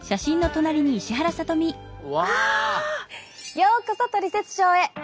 ようこそ「トリセツショー」へ！